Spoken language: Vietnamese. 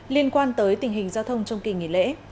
liên quan tới tình hình giao thông trong kỳ nghỉ lễ